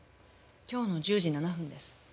今日の１０時７分です。